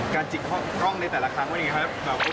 จิกกล้องในแต่ละครั้งว่ายังไงครับ